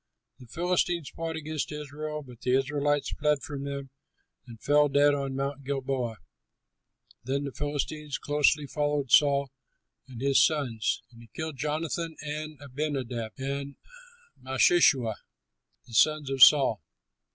The Philistines fought against Israel, but the Israelites fled from them and fell dead on Mount Gilboa. Then the Philistines closely followed Saul and his sons; and they killed Jonathan and Abinadab and Malchishua, the sons of Saul.